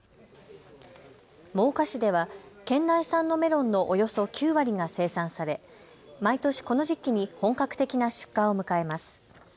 真岡市では県内産のメロンのおよそ９割が生産され毎年この時期に本格的な出荷を迎えます。